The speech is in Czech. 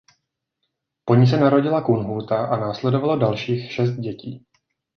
Po ní se narodila Kunhuta a následovalo dalších šest dětí.